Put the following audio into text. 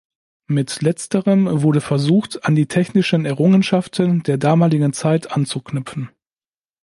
Mit letzterem wurde versucht, an die technischen Errungenschaften der damaligen Zeit anzuknüpfen.